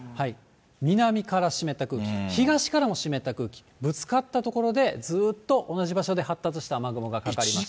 南から湿った空気、東からも湿った空気、ぶつかった所で、ずっと同じ場所で発達した雨雲がかかりました。